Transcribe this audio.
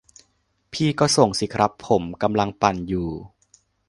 พี่ก็ส่งสิครับ ผมกำลังปั่นอยู่